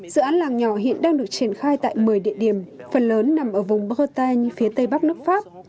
dự án làng nhỏ hiện đang được triển khai tại một mươi địa điểm phần lớn nằm ở vùng bhutan phía tây bắc nước pháp